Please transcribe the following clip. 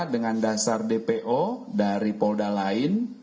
dengan dasar dpo dari polda lain